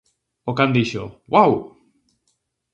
O can dixo: Guau!